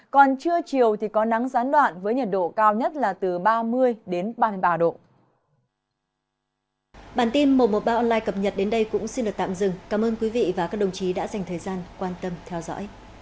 còn trưa chiều thì có nắng gián đoạn với nhiệt độ cao nhất là từ ba mươi đến ba mươi ba độ